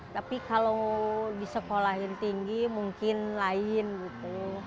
tapi kalau disekolahin tinggi mungkin lain gitu